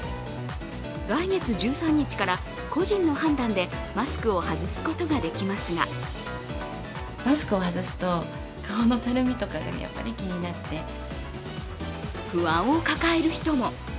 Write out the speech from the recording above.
来月１３日から個人の判断でマスクを外すことができますが不安を抱える人も。